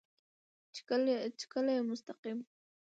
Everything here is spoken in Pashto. چې کله يې مستقيم